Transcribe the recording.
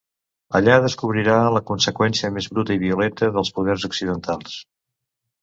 Allà descobrirà la conseqüència més bruta i violenta dels poders occidentals.